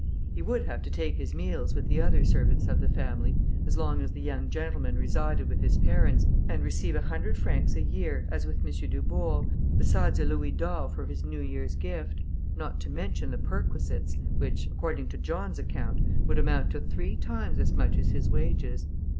He would have to take his meals with the other servants of the family, as long as the young gentleman resided with his parents, and receive a hundred francs a year, as with M. Dubourg, besides a louis d'or for his new year's gift, not to mention the perquisites, which, according to John's account, would amount to three times as much as his wages.